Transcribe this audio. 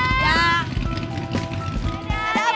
dadah dadah abang